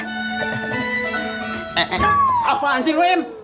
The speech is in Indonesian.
eh eh apaan sih lu im